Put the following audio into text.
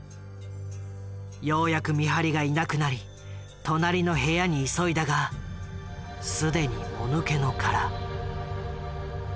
ようやく見張りがいなくなり隣の部屋に急いだが既にもぬけの殻。